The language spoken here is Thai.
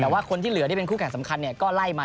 แต่ว่าคนที่เหลือที่เป็นคู่แข่งสำคัญก็ไล่มา